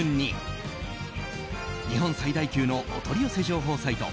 日本最大級のお取り寄せ情報サイト